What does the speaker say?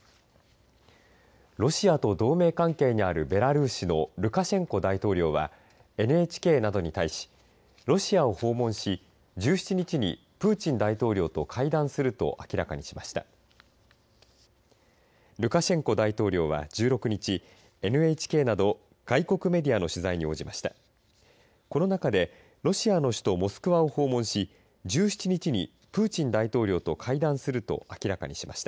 ロシアと同盟関係にあるベラルーシのルカシェンコ大統領はＮＨＫなどに対しロシアを訪問し１７日にプーチン大統領と会談すると明らかにしました。